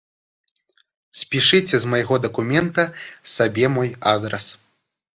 Спішыце з майго дакумента сабе мой адрас.